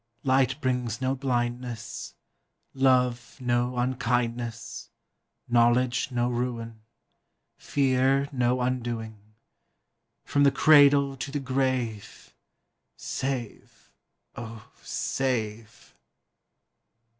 Light brings no blindness; Love no unkindness; Knowledge no ruin; Fear no undoing, From the cradle to the grave, Save, O, save!